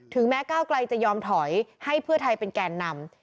แม้ก้าวไกลจะยอมถอยให้เพื่อไทยเป็นแก่นำ